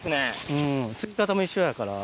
うん造り方も一緒やから。